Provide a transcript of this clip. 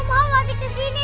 mau mati kesini